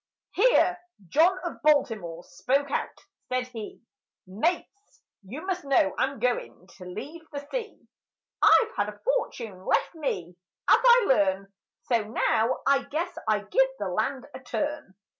Here John of Baltimore spoke out: said he— "Mates, you must know I'm goin' to leave the sea; I've had a fortune left me, as I learn, So now I guess I give the land a turn.